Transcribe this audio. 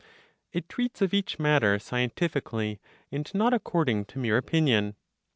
It treats of each matter scientifically, and not according to mere opinion.